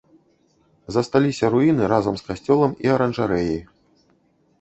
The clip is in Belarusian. Засталіся руіны разам з касцёлам і аранжарэяй.